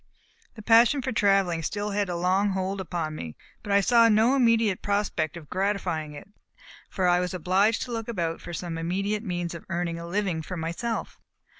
The passion for travel still had a strong hold upon me, but I saw no immediate prospect of gratifying it, for I was obliged to look about for some immediate means of earning a living for myself.